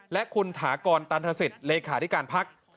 และคุณถากรตันทศิษย์เลขาธิการพัก